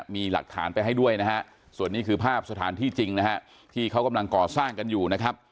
มีหลักฐานไปให้ด้วยส่วนนี้คือภาพสถานที่จริงที่เขากำลังก่อสร้างกันอยู่